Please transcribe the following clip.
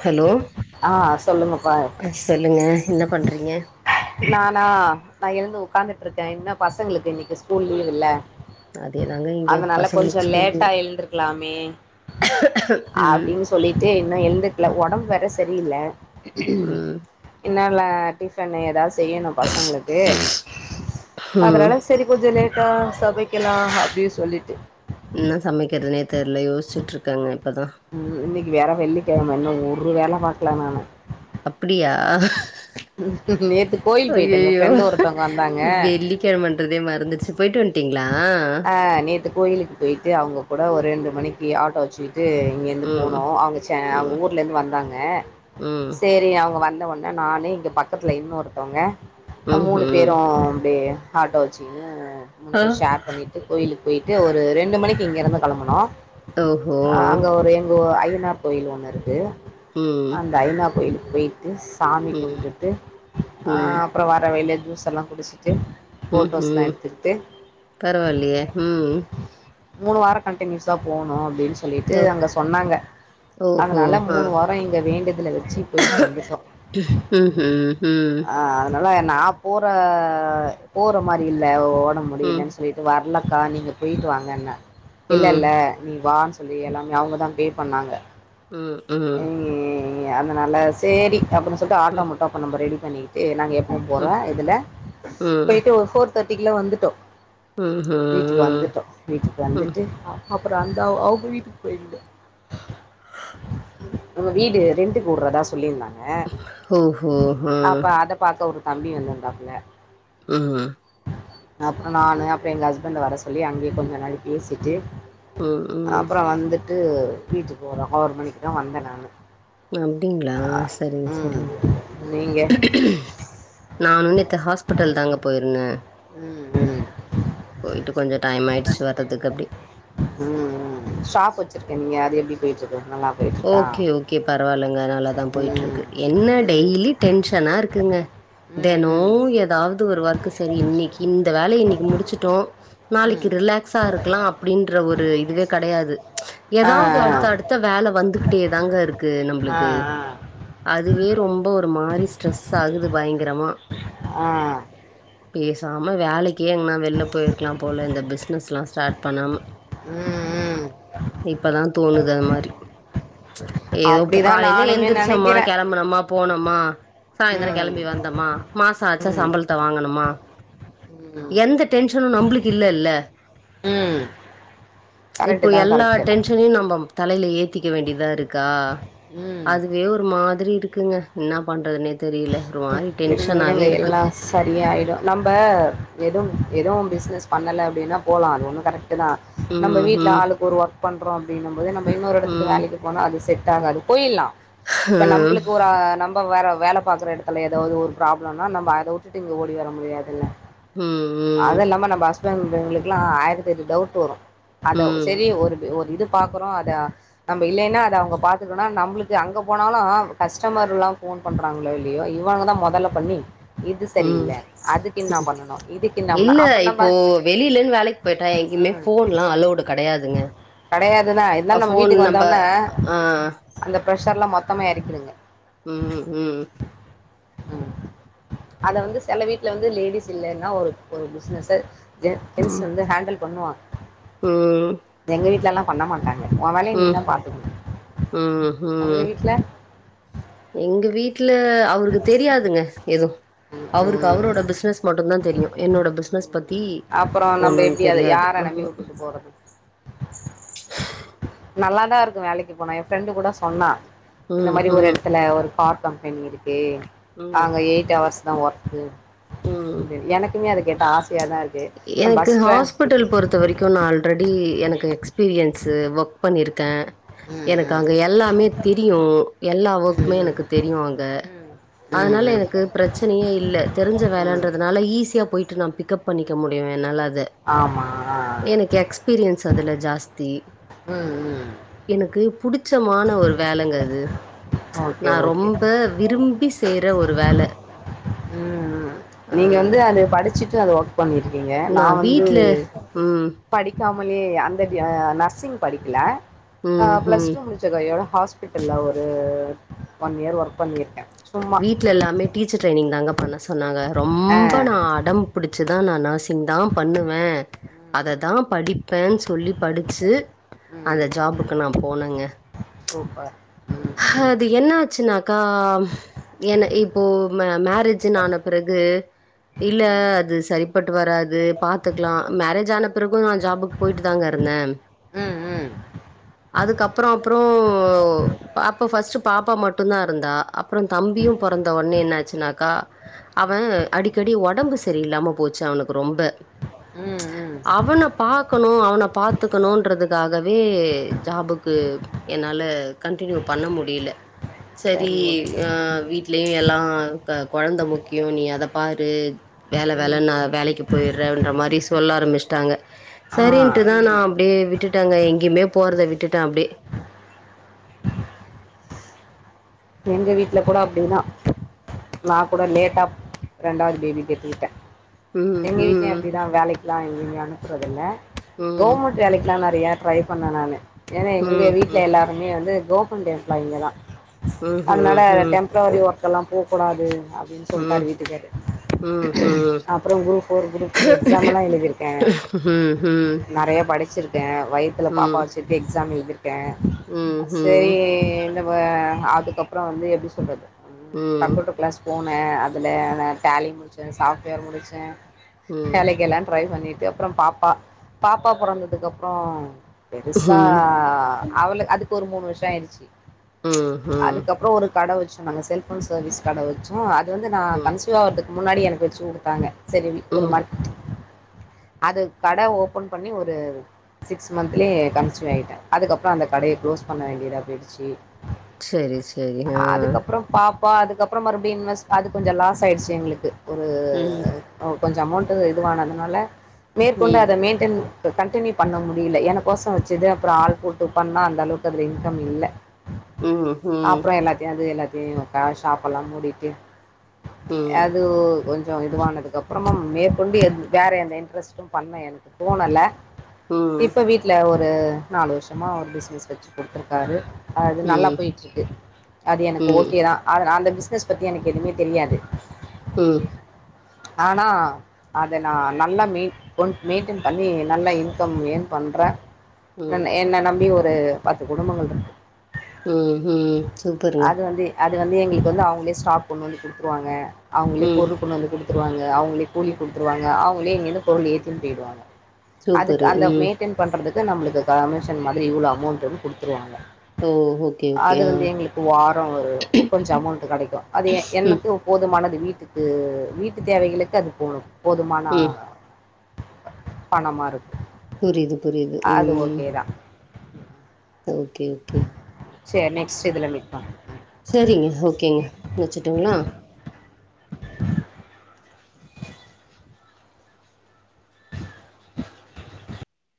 Hello ஆ சொல்லுங்கப்பா ஆ சொல்லுங்க என்ன பண்றீங்க நானா நா எழுந்து உக்காந்துட்ருக்க இன்ன பசங்ளுக்கு இன்னிக்கு ஸ்கூல் லீவ் இல்ல அதேதாங்க இங்கயு அதுனால கொஞ்சோ பசங்களுக்கு ஸ்கூல் லீவு லேட்டா எழுந்திருக்கலாமே ம் அப்படின்னு சொல்லிட்டு இன்னு எழுந்துக்ல ஒடம் வேற சரியில்ல ம் இன்னலா டிஃபனு ஏதா செய்யணு பசங்ளுக்கு ம் அதனால சரி கொஞ்ச லேட்டா சமைக்லா அப்டி சொல்லிட்டு என்ன சமைக்கிறதுனே தெர்ல யோசிச்சட்டுருக்கேங்க இப்ப தா ம் இன்னக்கு வேற வெள்ளிக்கெழம இன்னு ஒரு வேல பாக்ல நானு அப்டியா நேத்து கோயில் போயிட்டேங்க ஃப்ரெண்ட்டு ஒருத்தங்க வந்தாங்க கிழமண்றதே மறந்துடுச்சு போய்ட்டு வந்ட்டீங்ளா அ நேத்து கோயிலுக்கு போயிட்டு அவுங்க கூட ஒரு ரெண்டு மணிக்கு ஆட்டோ வச்சுக்கிட்டு இங்கேந்து ம் போனோ அவுங்க ட அவுங்க ம் ஊர்லேர்ந்து வந்தாங்க ம் செரி அவுங்க வந்த ஒடனே நானு இங்க பக்கத்துல இன்னோர்த்தவங்க அ மூணு ம்ஹூம் பேரு அப்டியே ஆட்டோ வச்சிகினு மூணு ஆ பேரு ஷேர் பண்ணிட் டு கோயிலுக்கு போயிட்டு ஒரு ரெண்டு மணிக்கு இங்கேருந்து கெளம்புனோ ஓஹோ ஆ அங்க ஒரு எங்க ஐய்யனார் கோயில் ஒன்னு இருக்கு ம் அந்த ஐனா கோயிலுக்கு போயிட்டு சாமி ம் கும்டுட்டு ஆ ம் அப்றோ வர வெளில ஜூஸ்சல்லா குடிச்சிட்டு ம் ஃபோட்டோஸ்லாம் ஹீம் எடுத்துக்கிட்டு பரவாயில்லேயே ம் மூணு வாரோ கண்டினியூஸா போனு அப்டின் சொல்லிட்டு ஓ அங்க சொன்னாங்க ஓஹோ அதனால ஆ மூணு வார ப்ப எங்க வேண்டுதல வச்சு போய்ட்டு வந்துட்டோ ஹீஹம் ம் ஆ அதுனால நா போற போற மாரி இல்ல ஒடம் ம் முடியலன் சொல்லி ட்டு வர்லக்கா நீங்க போய்ட்டு வாங்கன்ன இல்ல ம் இல்ல நீ வான் சொல்லி எல்லாமே அவுங்க தா பே பண்ணாங்க ம் ம் உம் அதனால செரி அப்டின் சொல்ட்டு ஆட்டோ ம் மட்டு அப்ப நம்ப ரெடி பண்ணிட்டு நாங்க எப் முப்போற ம் இதுல ம் போயிட்டு ஒரு ஃபோர் தேட்டிக்கில வந்துட்டோ வீட்டுக்கு ம்ஹும் வந்துட்டோ வீட்டுக்கு ம் வந்துட்டு அப் அப்றோ அந்த அவுங்க வீட்டுக்கு போய்ந்தோ உங்க வீடு ரெண்ட்டுக்கு வுட்றதா சொல்லி இருந்தாங்க ஓ ஓஹோ அப்ப அத பாக்க ஒரு தம்பி வந்துருந்தாப்ல ம் அப்றோ நானு அப்புற எங்க ஹஸ்பண்ட வர சொல்லி அங்கேயே கொஞ்ச நாழி பேசிட்டு ம் ம் அப்றோ வந்துட்டு வீட்டுக்கு [unintelligible] ஒரு மணிக்கு தா வந்த நானு அப்டிங்களா சரிங்க சரிங்க நீங்கள் நானு நேத்து ஹாஸ்பிட்டல் தாங்க போயிருந்த ம் ம் போயிட்டு கொஞ்ச டைம் ஆயிடுச்சு வர்றதுக்கு அப்டி ம் ம் ஷாப் வச்சிருக்கேன்னிங்க அது எப்டி போயிட்டுருக்கு நல்லா போயிட்டுருக்கா ஓகே ஓகே பரவாயில்லங்க நல்லாதா போயிட்டு ம் இருக்கு என்ன டெய்லி டென்ஷனா இருக்குங்க ம் தெனோ ம் ம் ஏதாவது ஒரு ஒர்க்கு சரி இன்னக்கி இந்த வேலய இன்னக்கி முடிச்சுட்டோ நாளைக்கு ம் ரிலாக்ஸா இருக்கலா அப்டின்ற ஒரு இதுவே கடையாது ஆ ஏதாவது அடுத்த அடுத்த வேல வந்துகிட்டே தாங்க இருக்கு ஆ ஆ நம்ளுக்கு அதுவே ரொம்ப ஒரு மாரி ஸ்ட்ரெஸ் ஆகுது பயங்கரமா ஆ பேசாம வேலைக்கே எங்கனா வெளில போயிருக்கலா போல இந்த பிஸ்னஸ் எல்லா ஸ்டார்ட் பண்ணாம ம் ம் இப்பதா தோணுது அந்த மாரி எதோ இப்போ அப்படிதான் காலைல நானுமே எந்திரிச்சோமா நினைக்கிறேன் கெளம்புனமா போனமா சாய்ந்ரோ ம் கெளம்பி வந்தமா மாச ஆச்சா ம் சம்பளத்த வாங்கணுமா ம் எந்த டென்ஷனு நம்பளுக்கு இல்லல ம் கரெக்ட்டு இப்போ தா எல்லா கரெக்ட்டு தா டென்ஷனையு நம்ப தலையில ஏத்திக்க வேண்டியதா இருக்கா ம் அதுவே ஒரு மாத்ரி இருக்குங்க என்ன பண்ணுறதுனே தெரியல ஒரு மாரி டென்ஷனாவே இருக்கு சரியயாய்டு நம்ம எதும் எது பிஸ்னஸ் பண்ணல அப்டின்னா போலா அது ஒன்னு கரெட்டு தா நம்ம ம் வீட்ல ம் ஆளுக்கு ஒரு ஒர்க் பண்றோ அப்டின்னும் போது நம்ம இன்னொரு எடத்துக்கு ம் வேலைக்கு போனா அது செட்டாகாது போயில்லா இப்ப நம்பளுக்கு ஒரு நம்ம வேற வேல பாக்குற எடத்துல எதாது ஒரு ப்ராப்ளம்னா நம்ம அத உட்டு இங்க ஓடி வர முடியாதில்ல ம் ம் அது இல்லாம நம்ம ஹஸ்பண்ட் இவுங்களுக்கெல்லா ஆயிரதெட்டு டவுட்டு வரு அது ம் செரி ஒரு ஒரு இது பாக்குறோ அத நம்ம இல்லைன்னா அத அவுங்க பாத்துக்குனா நம்புளுக்கு அங்க போனாலு கஸ்டமர் எல்லா ஃபோன் பண்றா ங்ளோ இல்லையோ இவங்கதா மொதல்ல பண்ணி இது ம் சரியில்ல அதுக்கு என்ன பண்ணணு இதுக்கு என்னாம்னா இல்ல அப்றோ நம்ம இப்போ வெளியிலன்னு வேலைக்கு போயிட்டா எங்கயிமே ஃபோன்ல்லா அளோடு கெடையாதுங்க கெடையாது தா இருந்தாலு நம்ம ஃபோன் வீட்டுக்கு நம்ப வந்தோனே ஆ அந்த பிரஷர்லா மொத்தமே எறக்கிருங்க ம் ம் ம் அத வந்து சில வீட்ல வந்து லேடிஸ் இல்லைன்னா ஒரு ஒரு பிசினஸு ஜெ ஜென்ஸு வந்து ஹேண்டில் பண்ணுவாங் ம் எங்க வீட்ல எல்லா பண்ண மாட்டாங்க உ வேலய நீ ம் தா பாத்துக்கணு ம் உங்க ம் வீட்ல எங்க வீட் ல அவருக்கு தெரியாதுங்க எது ம் அவருக்கு ம் அவரோட பிசினஸ் மட்டு தா தெரியு என்னோட பிஸ்னஸ் பத்தி அப்புறம் நம்ம ஒண்ணு எப்டி அத தெரியாது யார நம்பி ஆமா வுட்டுட்டு போறது நல்லாதா இருக்கு வேலைக்கு போனா எ ஃப்ரெண்டு கூட சொன்னா இந்த ம் மாரி ஒரு ம் எடத்துல ஒரு கார் கம்பெனி இருக் கு ம் நாங்க எயிட் அவர்ஸ் தா ஒர்க்கு ம் [unintelligible] எனக் குமே அத கேட்டா ஆசையா தா இருக்கு எனக்கு பஸ் ட்ரா ஹாஸ் பிட்டல் பொறுத்த வரைக்கு நா ஆல்ரெடி எனக்கு எக்ஸ்பீரியன்ஸு ஒர்க் பண்ணியிருக்கே ம் எனக்கு ம் அங்க எல்லாமே தெரியு எல்லா ஒர்க்மே ம் எனக்கு தெரியு அங்க ம் அதனால ம் ம் எனக்கு பிரச்சனையே இல்ல தெரிஞ்ச ம் வேலன்றதுனால ஈஸியா போயிட்டு நா பிக்கப் பண்ணிக்க முடியு என்னால அத ஆமா எனக்கு எக்ஸ்பீரியன்ஸ் அதுல ஜாஸ்தி ம் ம் எனக்கு புடிச்சமான ஒரு வேலங்க அது ஓகே நா ஓகே ரொம்ப விரும்பி செய்ற ஒரு வேல ம் ம் அ நீங்க வந்து அது படிச்சுட்டு அந்த ஒர் க் பண்ணிருக்கீங்க நா நான் வந்து வீட்ல ம்ஹ்ம். படிக்காமலேயே அந்த டி அ நர்சிங் படிக்கல ஆ ம். பிளஸ் ம்ஹ்ம். டூ முடி ச்ச கையோடு ஹாஸ்பிட்டல்லா ஒரு ஒன் இயர் ஒர்க் பண்ணியிருக்கே சும்மா வீடல எல்லாமே டீச்சர் ட்ரரைனிங் தாங்க பண்ண சொன்னாங்க ஆ ரொம்ப நா அடம் புடிச்சுதா நா நர்ஸி இதா பண்ணுவே ம் அத தா ம் படிப்பேன்னு சொல்லி படிச்சு ம் ம் அந்த ஜாபுக்கு நா போனேங்க சூப்பர் ம் ஹ ம் ம் அது என்ன ஆச்சுனாக்கா ஏன இப்போ மே மேரேஜ்ன்னு ஆன பிறகு இல்ல ம் அது சரிப்பட்டு வராது பாத்துக்கலா மேரேஜ் ஆன பிறகு நா ஜாபுக் போயிட்டு தாங்க இருந்தே ம் அதுக்கப்புறோ அப்ற பாப்ப ஃபர்ஸ்ட் பாப்பா மட்டு மட்டும்தா இருந்தா அப்றோ தம்பியு ம் பிறந்த உன்னே என்னாச்சுனாக்கா அவன் அடிக்கடி உடம்பு சரியில்லாம போச்சு அவனுக்கு ரொம்ப ம் ம் அவன போ பாக்கணு அவன பார்த்துக்கணுன்றதுக்காகவே ஜாபுக்கு என்னால கன்டினியூ பண்ண முடியல சேரி சரி ஓகே அ ம் வீட்லே எல்லா குழந்த முக்கிய நீ அத பாரு வேலை வேலை ம் நா வேலைக்கு போயிடுறேன்ற மாரி சொல்ல ஆரம்பிச்சட்டாங்க ஆ சேரின்னுட்டுதா நா அப்டே விட்டுட்டேங்க எங்கேயுமே போறதை விட்டுட்டே அப்டே எங்க வீட்டுல கூட அப்டிதா நா கூட லேட்டா ரெண்டாவது பேபி பெத்துகிட்டே ம் எங்க வீட்லயு ம் அப்படிதா வேலைக்கெல்லா எங்கயுமே அனுப்புறது இல்ல ம் கவுர்மெண்ட் வேலைக்கெலா நெறைய ட்ரை பண்ணே நானு ஏன்னா எங்க ம் ம் வீட்டில எல்லாருமே வந்து [unintelligible] எம்ப்ளாய்ங்க தா ம் அதனால ம் டெம்ப்ரவரி ஒர்க் எல்லா போக கூடாது அப்டின்னு ம் சொல்ட்டாரு வீட்டுக்காரு ம் ம் ம் ம் அப்புறோ group four group two exam எல்லா எழுதியிருக்கே நெறைய படிச்சிருக்க எ வயத்துல பாப்பா ம் வச்சுட்டு எக்ஸா எழுதிருக்கே ம் ம் செரி ம் இந்த அதுக்கப்புறோ வந்து எப்படி சொல்றது ம் கம்ப்யூட்டர் கிளாஸ் போன அதுல ட்டேலி முடிச்சே சாஃப்ட்வேர் முடிச்சே ம் வேலைக்கு எல்லா ட்ரை பண்ணிட்டு அதுக்கப்புறோ பாப்பா பாப்பா பொறந்ததுக்க அப்புறோ பெருசா ம் அவளு அதுக்கு ஒரு மூணு வருஷம் ஆயிடுச்சு ம் ம் அதுக்கப்புறோ ஒரு கடை வச்சோ நாங்க செல்போன் சர்வீஸ் கடை வச்சோ அது வந்து நா ம் கன்சியூவ ஆறதுக்கு முன்னாடி எனக்கு வச்சு கொடுத்தாங்க சேரி ஒரு ம் மாரி அது கடை ஓபன் பண்ணி ஒரு சிக்ஸ் மந்த்லேய கன்சிவ் ஆயிட்டே அதுக்கப்புறோ அந்த கடைய குளோஸ் பண்ண வேண்டியதா போயிடுச்சு சேரி சேரி ஆ அதுக்கப்புறம் பாப்பா அதுக்கப்புறோ மறுபடியு இன்வெஸ்ட் அது கொஞ்சம் லாஸ் ஆயிடுச்சு எங்களுக்கு ஒரு ம் ஓ கொஞ்சோ அமௌண்ட் இதுவானதுனால மேற்கொண்டு ம் அத மெய்ன்டெய்ன் கண்டினியூ பண்ண முடியல என கோச வச்சுது அப்புறோ ஆள் போட்டு பண்ணா அந்த அளவுக்கு அதுல இன்கம் இல்லை ம் ம் ம் ம் அப்புறோ எல்லாத்தையு அது எல்லாத்தையு ஷாப்பெ எல்லா மூடிட்டு ம் அது கொஞ்சோ இதுவானது அப்புறமும் மேற்கொண்டு வேற எந்த இன்ட்ரெஸ்ட்டு பண்ண எனக்கு தோணல இப்ப வீட்டுல ஒரு நாலு வருஷமா ஒரு பிசினஸ் வச்சு குடுத்துருக்காரு அது நல்லா போயிட்டு இருக்கு அது எனக்கு ஓகே தா ம் ஆ அந்த பிஸ்னஸ் பத்தி எனக்கு எதுவுமே தெரியாது ம் ஆனா அத நா நல்லா மெயின்ட ஒன் மெயின்டெ பண்ணி நல்ல இன்கம் ஏர்ன் பண்றே ம் என்ன நம்பி ஒரு பத்து குடும்பங்கள் இருக்கு ம் ம் சூப்பருங்க அது வந்து அது வந்து எங்களுக்கு வந்து அவங்களே ஸ்டாப் கொண்டு வந்து குடுத்துடுவாங்க அவங்களே ம் பொரு கொண்டு வந்து குடுத்துருவாங்க அவங்களே கூலி குடுத்துடுவாங்க அவங்களே இங்கிருந்து பொருள் ஏத்தின்னு போயிடுவாங்க அதுக்கு சூப்பரு அந்த ம் மெயின்டென் பண்றதுக்கு நம்மளுக்கு கமிஷன் மாதிரி இவ்வளவு அமௌண்ட்ன்னு குடுத்துருவாங்க ஓ ஓகே ஓகே ம் எங்களுக்கு வாரம் ஒரு கொஞ்சம் அமௌண்ட் கிடைக்கும் அது ம் எனக்கு போதுமானது வீட்டுக்கு ம் வீட்டு தேவைகளுக்கு அது போதும் போதுமான ம் பணமா இருக்கும் புரியுது புரியுது அது ம் ஓகே தான் ஓகே ஓகே செரி நெக்ஸ்ட் இதுல மீட்பன்லாம் சரிங்க ஓகேங்க வச்சுட்டுங்களா